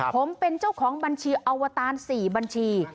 ผมเป็นเจ้าของบัญชีอวตาร๔บัญชี